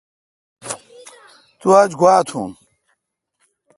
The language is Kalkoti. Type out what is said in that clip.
تو آج گوا تھون۔